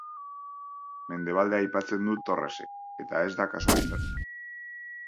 Mendebaldea aipatzen du Torresek, eta ez da kasualitatea.